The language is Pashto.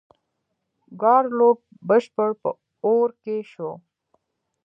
ګارلوک بشپړ په اور کې شو.